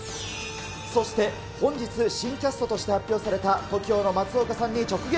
そして本日、新キャストとして発表されたＴＯＫＩＯの松岡さんに直撃。